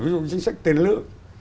ví dụ chính sách tiền lượng